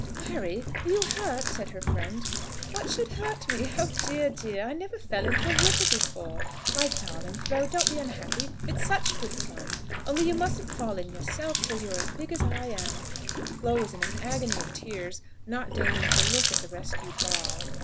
"Mary, are you hurt?" said her friend. "What should hurt me? Oh dear, oh dear! I never fell into a river before. My darling Flo, don't be unhappy. It's such good fun. Only you mustn't fall in yourself, till you're as big as I am." Flo was in an agony of tears, not deigning to look at the rescued ball.